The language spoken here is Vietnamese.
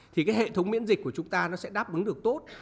thì cái hệ thống miễn dịch của chúng ta nó sẽ đáp ứng được tốt